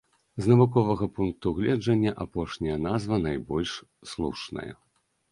З навуковага пункту гледжання апошняя назва найбольш слушная.